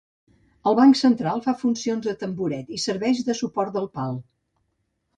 El banc central fa funcions de tamboret i serveix de suport del pal.